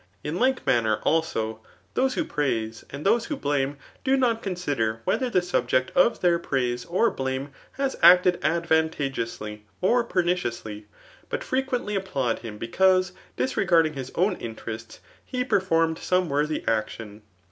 lit . iSke manfluer, ^also, tftose who praise, and those who flO TH« ART OP* .: BOOJt U Uame/ do' not consider whether the subject of their praise or blame has acted advantageously or pemiebusly, but frequently applaud him because^ disregarding I^s own interest, he performed some ^^Mthy action.